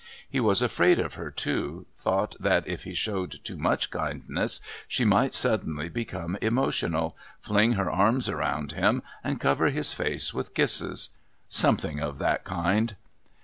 He was afraid of her, too, thought that if he showed too much kindness she might suddenly become emotional, fling her arms around him and cover his face with kisses something of that kind.